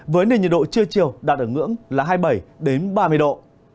với nền nhiệt độ trưa chiều đạt ở ngưỡng là hai mươi bảy ba mươi độ